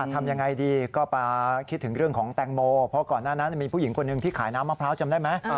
ทำยังไงดีก็มาคิดถึงเรื่องของแตงโมเพราะก่อนหน้านั้นมีผู้หญิงคนหนึ่งที่ขายน้ำมะพร้าวจำได้ไหม